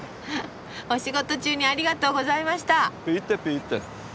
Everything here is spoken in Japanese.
お仕事中にありがとうございました。